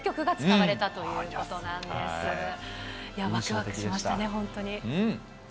わくわくしましたね、本当に。